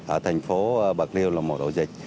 ở thành phố bật liêu là một ổ dịch